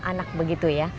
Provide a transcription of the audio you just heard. anak begitu ya